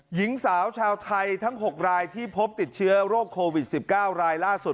หญิงสาวชาวไทยทั้ง๖รายที่พบติดเชื้อโรคโควิด๑๙รายล่าสุด